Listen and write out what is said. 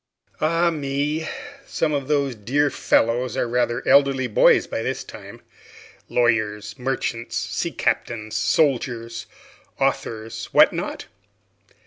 Ah me! some of those dear fellows are rather elderly boys by this time lawyers, merchants, sea captains, soldiers, authors, what not?